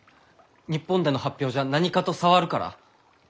日本での発表じゃ何かと障るから？